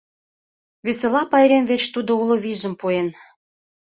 Весела пайрем верч тудо уло вийжым пуэн.